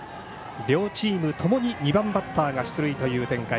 両チームともに２番バッターが出塁という展開。